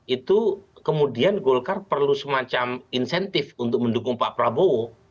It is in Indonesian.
itu kemudian golkar perlu semacam insentif untuk mendukung pak prabowo